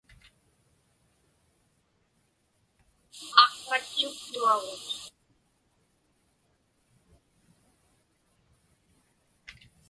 Aqpatchuktuagut.